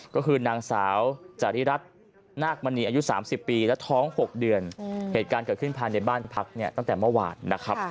ก็คือนางสาวจาริรัตินาคมณีอายุ๓๐ปีและท้อง๖เดือนเหตุการณ์เกิดขึ้นภายในบ้านพักเนี่ยตั้งแต่เมื่อวานนะครับ